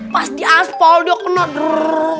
pas di asfal dia kena drrrrrr